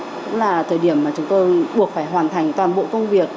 cũng là thời điểm mà chúng tôi buộc phải hoàn thành toàn bộ công việc